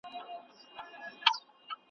د نصیب تږی پیدا یم له خُمار سره مي ژوند دی ,